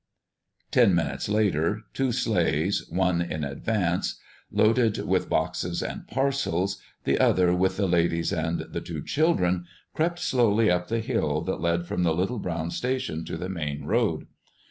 Ten minutes later, two sleighs, one in advance loaded with boxes and parcels, the other with the ladies and the two children, crept slowly up the hill that led from the little brown station to the main road.